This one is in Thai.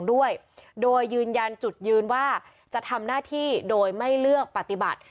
ด้วยโดยยืนยันจุดยืนว่าจะทำหน้าที่โดยไม่เลือกปฏิบัติ